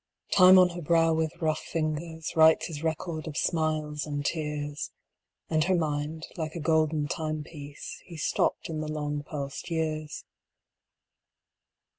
Time on her brow with rough fingers Writes his record of smiles and tears; And her mind, like a golden timepiece, He stopped in the long past years.